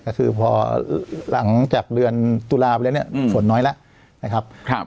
ก็คือพอหลังจากเดือนตุลาไปแล้วเนี่ยฝนน้อยแล้วนะครับ